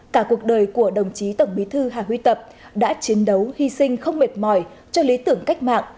cả cuộc đời của đồng chí tổng bí thư hà huy tập đã chiến đấu hy sinh không mệt mỏi cho lý tưởng cách mạng